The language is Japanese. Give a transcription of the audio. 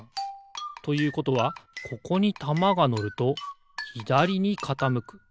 ということはここにたまがのるとひだりにかたむく。